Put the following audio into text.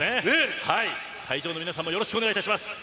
会場の皆さんもよろしくお願い致します。